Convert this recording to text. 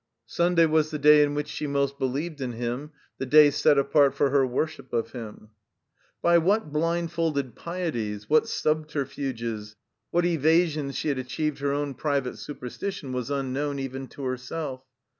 Stmday was the day in which she most believed in him, the day set apart for her worship of him* 45 THE COMBINED MAZE By what blindfolded pieties, what subterfuges, what evasions she had achieved her own private superstition was unknown, even to herself.